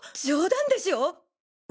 冗談でしょ？